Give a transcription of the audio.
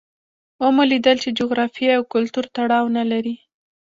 ومو لیدل چې جغرافیې او کلتور تړاو نه لري.